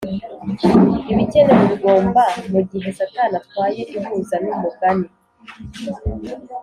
ibikenewe bigomba mugihe satani atwaye ihuza numugani